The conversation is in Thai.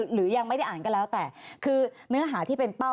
หรือยังไม่ได้อ่านก็แล้วแต่คือเนื้อหาที่เป็นเป้า